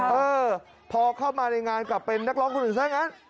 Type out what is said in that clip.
เออพอเข้ามาในงานกลับเป็นนักร้องคนอื่นซะงั้น